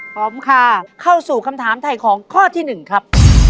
พร้อมค่ะกร่งถามไถ่ของข้อที่๑ครับ